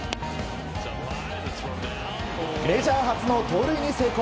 メジャー初の盗塁に成功。